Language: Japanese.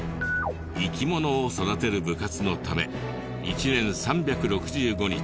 生き物を育てる部活のため１年３６５日